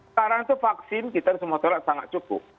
sekarang itu vaksin kita di sumatera sangat cukup